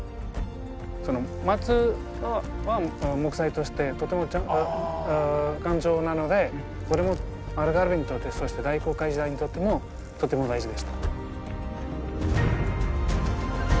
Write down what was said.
松は木材としてとても丈夫頑丈なのでこれもアルガルヴェにとってそして大航海時代にとってもとても大事でした。